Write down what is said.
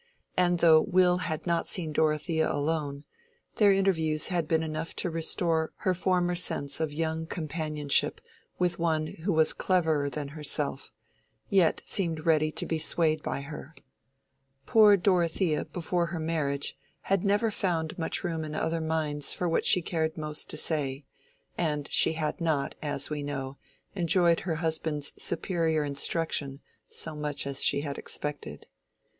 And though Will had not seen Dorothea alone, their interviews had been enough to restore her former sense of young companionship with one who was cleverer than herself, yet seemed ready to be swayed by her. Poor Dorothea before her marriage had never found much room in other minds for what she cared most to say; and she had not, as we know, enjoyed her husband's superior instruction so much as she had expected.